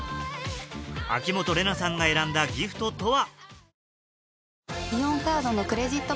秋元玲奈さんが選んだギフトとは？